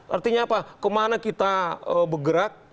artinya apa kemana kita bergerak